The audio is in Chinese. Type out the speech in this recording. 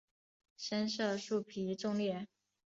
深色树皮纵裂。